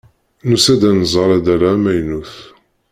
Nusa-d ad nẓer addal-a amaynut.